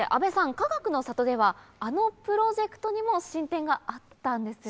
かがくの里ではあのプロジェクトにも進展があったんですよね？